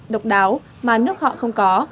độc đáo mà nước họ không có